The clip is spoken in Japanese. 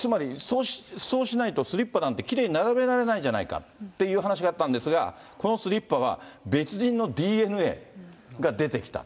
そうしないとスリッパなんてきれいに並べられないじゃないかって話があったんですが、このスリッパは別人のＤＮＡが出てきた。